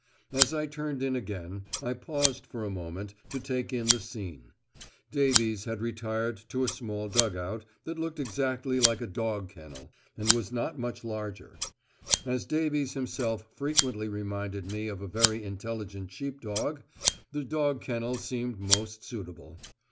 As I turned in again, I paused for a moment to take in the scene. Davies had retired to a small dug out, that looked exactly like a dog kennel, and was not much larger. As Davies himself frequently reminded me of a very intelligent sheepdog, the dog kennel seemed most suitable.